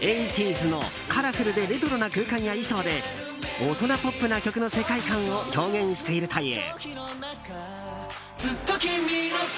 ’ｓのカラフルでレトロな空間や衣装で大人ポップな曲の世界観を表現しているという。